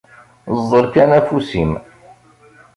Ẓẓel kan afus-im!